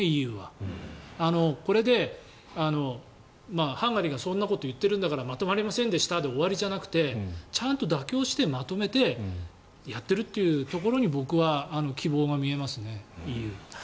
これで、ハンガリーがそんなこと言ってるんだからまとまりませんでしたで終わりじゃなくてちゃんと妥協してまとめてやっているというところに僕は希望が見えますね、ＥＵ。